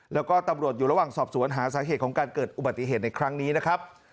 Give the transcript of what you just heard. แล้วก็ตำรวจอยู่ระหว่างสอบสวนหาสาเหตุของการเกิดอุบัติเหตุในครั้งนี้นะครับ